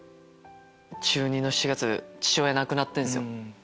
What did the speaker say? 中２の７月父親亡くなってるんですよ。